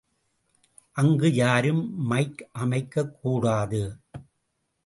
அங்கு யாரும் மைக் அமைக்கக்கூடாது.